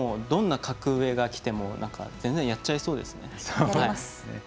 どんな格上がきても全然、やっちゃいそうですね。